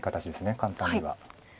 簡単には。